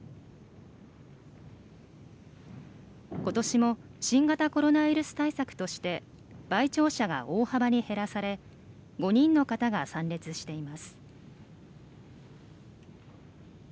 今年も新型コロナウイルス対策として陪聴者が大幅に減らされ５人の方が参列しています。